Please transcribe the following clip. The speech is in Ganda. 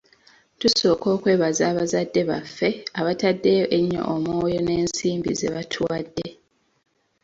Tusooka okwebaza bazadde baffe abataddeyo ennyo omwoyo n'ensimbi ze batuwadde.